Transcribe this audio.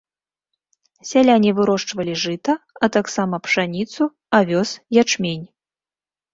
Сяляне вырошчвалі жыта, а таксама пшаніцу, авёс, ячмень.